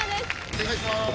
お願いします。